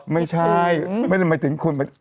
ไม่ใช่ไม่ได้มายติ๊งคุณ